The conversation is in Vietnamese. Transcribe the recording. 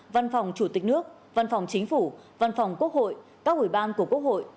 văn phòng chủ tịch nước văn phòng chính phủ văn phòng quốc hội các ủy ban của quốc hội